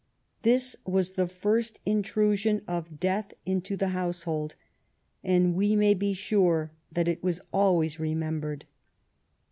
This was the first in trusion of death into the household, and we may be sure that it was always remembered.